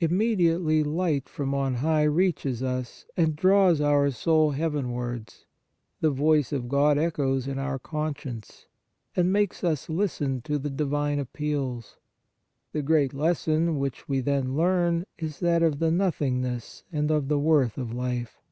Immediately light from on high reaches us and draws our soul heavenwards, the voice of God echoes in our conscience, and makes us listen to the divine appeals. The great lesson which we then learn is that of the nothingness and of the worth of life.